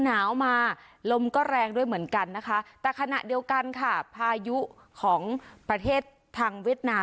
หนาวมาลมก็แรงด้วยเหมือนกันนะคะแต่ขณะเดียวกันค่ะพายุของประเทศทางเวียดนาม